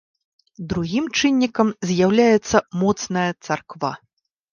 Другім чыннікам з'яўляецца моцная царква.